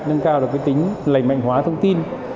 nâng cao được cái tính lành mạnh hóa thông tin